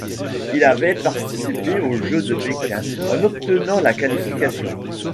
Il avait participé aux Jeux de Pékin en obtenant en qualifications.